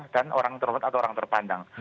dan orang terhormat atau orang terpandang